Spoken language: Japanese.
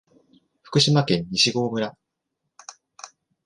福島県西郷村